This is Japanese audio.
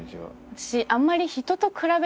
私あんまり。